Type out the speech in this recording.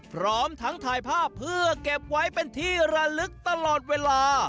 พร้อมทั้งถ่ายภาพเพื่อเก็บไว้เป็นที่ระลึกตลอดเวลา